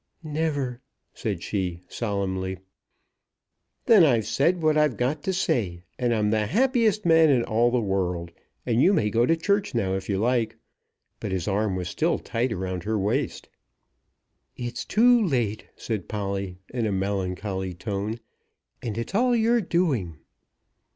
"Never," said she solemnly. "Then I've said what I've got to say, and I'm the happiest man in all the world, and you may go to church now if you like." But his arm was still tight round her waist. "It's too late," said Polly, in a melancholy tone, "and it's all your doing."